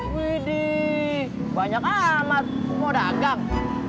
widih banyak amat semua dagang